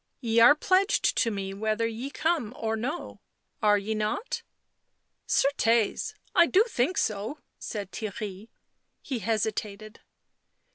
" Ye are pledged to me whether ye come or no — are ye not ?"" Certes ! I do think so," said Theirry. He hesitated.